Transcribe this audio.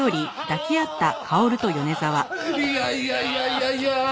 いやいやいやいやいや！